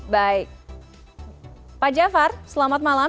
baik pak jafar selamat malam